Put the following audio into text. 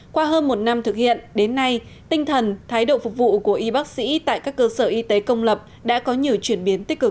qua hơn một năm thực hiện đến nay tinh thần thái độ phục vụ của y bác sĩ tại các cơ sở y tế công lập đã có nhiều chuyển biến tích cực